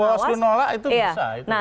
kalau bawaslu nolak itu bisa